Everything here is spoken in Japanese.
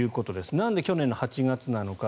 なんで去年の８月なのか。